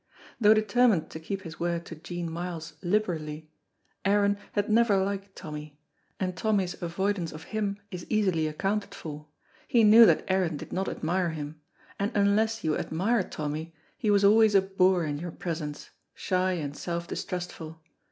Though determined to keep his word to Jean Myles liberally, Aaron had never liked Tommy, and Tommy's avoidance of him is easily accounted for; he knew that Aaron did not admire him, and unless you admired Tommy he was always a boor in your presence, shy and self distrustful.